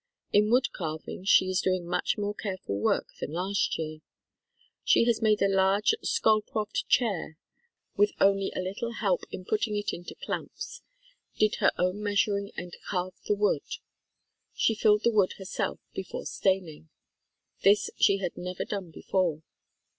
In wood carving she is doing much more careful work than last year. Has made a large "Skolcroft" chair with only a little THE KALLIKAK FAMILY help in putting it into clamps. Did her own meas uring and carved the wood. She filled the wood her self before staining. This she had never done before.